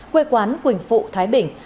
quê quán quỳnh phụ thái bình